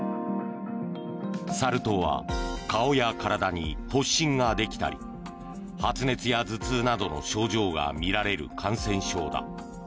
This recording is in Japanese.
サル痘は顔や体に発疹ができたり発熱や頭痛などの症状が見られる感染症だ。